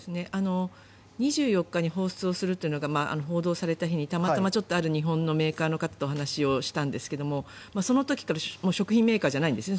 ２４日に放送するというのが報道された日にたまたまある日本のメーカーの方とお話をしたんですがその時から食品メーカーじゃないんですね